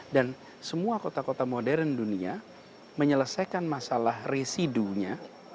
dan semua kota kota modern dunia menyelesaikan masalah residunya